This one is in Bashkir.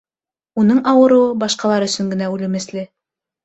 Уның ауырыуы башҡалар өсөн генә үлемесле.